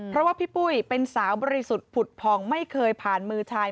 เพราะว่าพี่ปุ้ยเป็นสาวบริสุทธิ์ผุดผ่องไม่เคยผ่านมือชาย